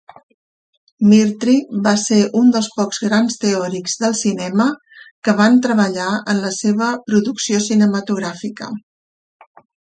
Mitry va ser un dels pocs grans teòrics del cinema que van treballar en la seva producció cinematogràfica.